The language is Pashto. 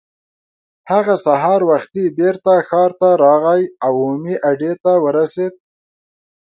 هغه سهار وختي بېرته ښار ته راغی او عمومي اډې ته ورسېد.